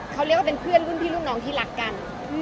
เขาเรียกว่าเป็นเพื่อนรุ่นพี่รุ่นน้องที่รักกัน